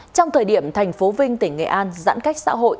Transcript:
trong thời điểm thành phố vinh tỉnh nghệ an giãn cách xã hội